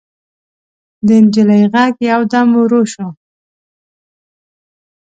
د نجلۍ غږ يودم ورو شو.